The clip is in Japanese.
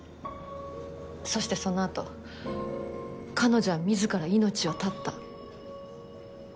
そしてそのあと彼女は自ら命を絶った。